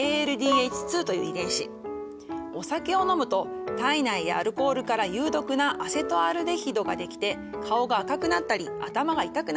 お酒を飲むと体内でアルコールから有毒なアセトアルデヒドができて顔が赤くなったり頭が痛くなったりします。